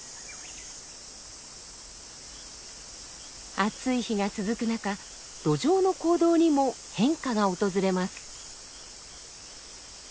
暑い日が続く中ドジョウの行動にも変化が訪れます。